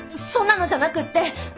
そんなのじゃなくって。